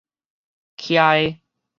徛的